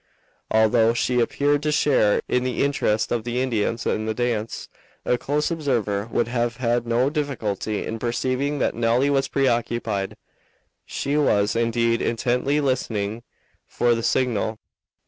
Although she appeared to share in the interest of the Indians in the dance, a close observer would have had no difficulty in perceiving that Nelly was preoccupied. She was, indeed, intently listening for the signal.